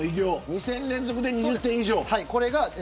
２戦連続、２０点以上。